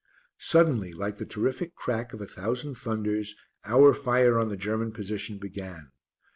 Suddenly, like the terrific crack of a thousand thunders, our fire on the German position began.